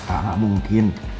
gak gak mungkin